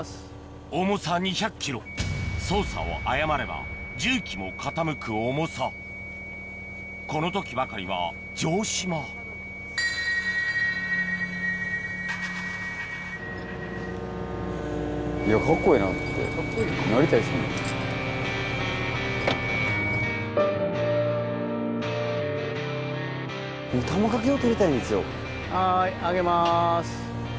重さ２００ｋｇ操作を誤れば重機も傾く重さこの時ばかりは城島『Ｐｒｏｇｒｅｓｓ』はい上げます。